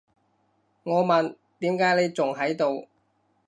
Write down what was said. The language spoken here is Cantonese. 我問，點解你仲喺度？